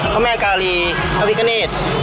พระแม่กาลีพระพิคเนธ